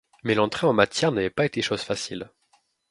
Mais l’entrée en matière n’avait pas été chose facile.